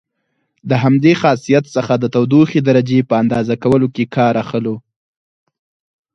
د همدې خاصیت څخه د تودوخې درجې په اندازه کولو کې کار اخلو.